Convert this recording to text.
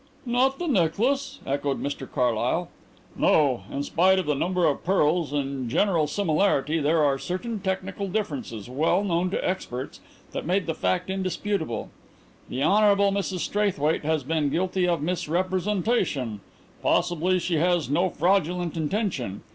"Not the necklace?" echoed Mr Carlyle. "No. In spite of the number of pearls and a general similarity there are certain technical differences, well known to experts, that made the fact indisputable. The Hon. Mrs Straithwaite has been guilty of misrepresentation. Possibly she has no fraudulent intention.